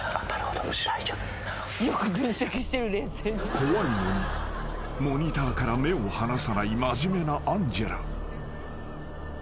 ［怖いのにモニターから目を離さない真面目なアンジェラ］